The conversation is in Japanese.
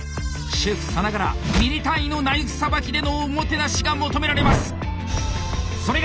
シェフさながらミリ単位のナイフさばきでのおもてなしが求められます。